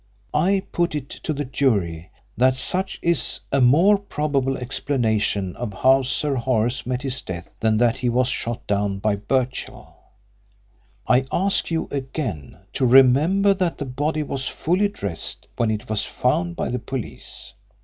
I put it to the jury that such is a more probable explanation of how Sir Horace met his death than that he was shot down by Birchill. I ask you again to remember that the body was fully dressed when it was found by the police.